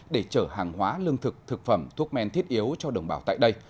để chở hàng hóa lương thực thực phẩm thuốc men thiết yếu cho đồng bào tại đây